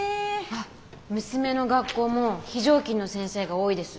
娘の学校も非常勤の先生が多いです。